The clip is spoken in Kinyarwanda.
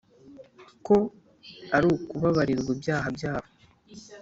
Ko ari ukubabarirwa ibyaha byabo.